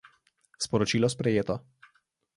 Sporočilo sprejeto.